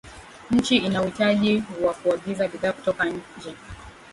nchi ina uhitaji wa kuagiza bidhaa kutoka nje